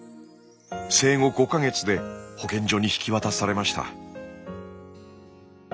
生後５か月で保健所に引き渡されました。